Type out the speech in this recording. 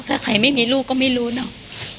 ถ้าใครไม่มีลูกก็ไม่รู้เนอะ